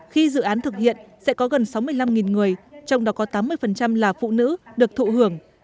khi dự án thực hiện sẽ có gần sáu mươi năm người trong đó có tám mươi là phụ nữ được thụ hưởng